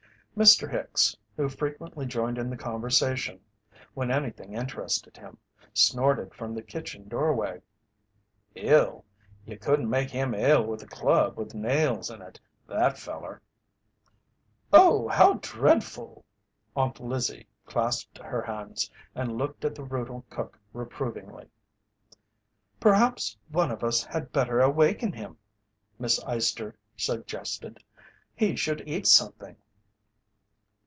Mr. Hicks, who frequently joined in the conversation when anything interested him, snorted from the kitchen doorway: "Ill? You couldn't make him 'ill' with a club with nails in it that feller." "Oh, how dread ful!" Aunt Lizzie clasped her hands, and looked at the brutal cook reprovingly. "Perhaps one of us had better awaken him," Miss Eyester suggested. "He should eat something."